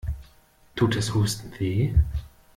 Tut das Husten weh?